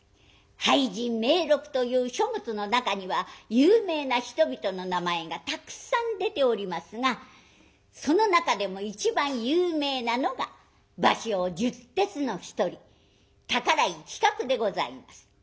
「俳人名録」という書物の中には有名な人々の名前がたくさん出ておりますがその中でも一番有名なのが芭蕉十哲の一人宝井其角でございます。